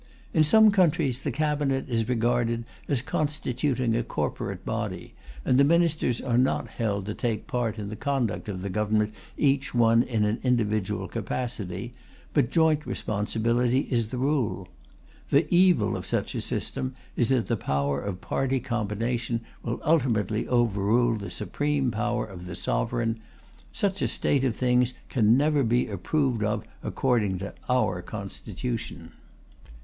In some countries, the Cabinet is regarded as constituting a corporate body, and the Ministers are not held to take part in the conduct of the Government each one in an individual capacity, but joint responsibility is the rule. The evil of such a system is that the power of party combination will ultimately overrule the supreme power of the Sovereign. Such a state of things can never be approved of according to our Constitution."